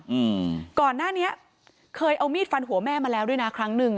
อืมก่อนหน้านี้เคยเอามีดฟันหัวแม่มาแล้วด้วยนะครั้งหนึ่ง